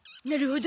なるほど。